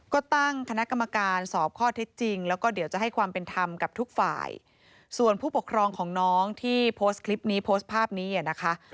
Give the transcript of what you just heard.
ก็ตั้งคณะกรรมการสอบข้อเท็จจริงแล้วก็เดี๋ยวจะให้ความเป็นธรรมกับทุกฝ่ายส่วนผู้ปกครองของน้องที่โพสต์คลิปนี้โพสต์ภาพนี้อ่ะนะคะ